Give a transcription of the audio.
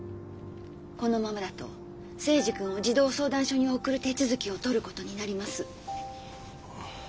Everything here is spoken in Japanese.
このままだと征二君を児童相談所に送る手続きをとることになります。